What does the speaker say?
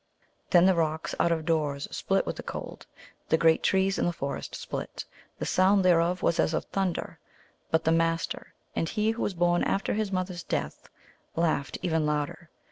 Then the rocks out of doors split with the cold, the great trees in the forest split ; the sound thereof was as thunder, but the Master and he who was born after his mother s death laughed even louder.